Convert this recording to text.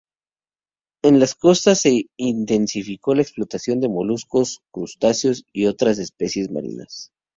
En las costas se intensificó la explotación de moluscos, crustáceos y otras especies marinas.